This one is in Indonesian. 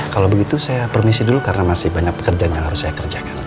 kalau begitu saya permisi dulu karena masih banyak pekerjaan yang harus saya kerjakan